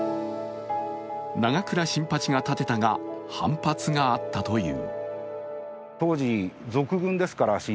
永倉新八が建てたが反発があったという。